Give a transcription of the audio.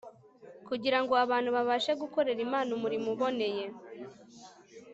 kugira ngo abantu babashe gukorera imana umurimo uboneye